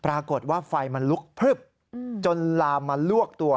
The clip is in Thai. ปรากฏว่าไฟมันลุกพลึบจนลามมาลวกตัว